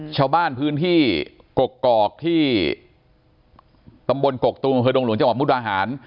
ชาวบ้านพื้นที่กรกกรอกที่ตำบลกรกตรวงเผยดงหลวงจังหวัดมุตรอาหาร